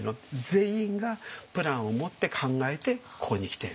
全員がプランを持って考えてここに来ている。